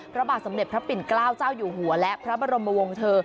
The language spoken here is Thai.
พระบาทสมเด็จพระปิ่นเกล้าเจ้าอยู่หัวและพระบรมวงเธอ